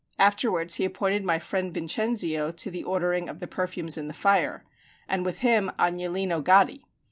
Afterwards he appointed my friend Vincenzio to the ordering of the perfumes and the fire, and with him Agnolino Gaddi.